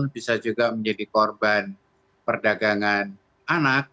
bisa juga menjadi korban perdagangan anak